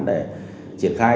để triển khai